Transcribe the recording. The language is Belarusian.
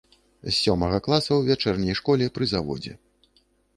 З сёмага класа ў вячэрняй школе пры заводзе.